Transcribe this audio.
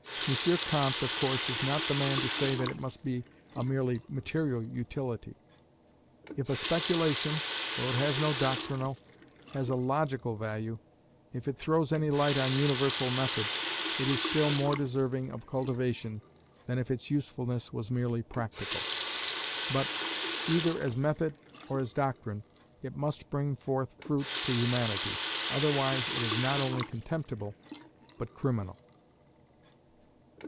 M. Comte, of course, is not the man to say that it must be a merely material utility. If a speculation, though it has no doctrinal, has a logical value if it throws any light on universal Method it is still more deserving of cultivation than if its usefulness was merely practical: but, either as method or as doctrine, it must bring forth fruits to Humanity, otherwise it is not only contemptible, but criminal.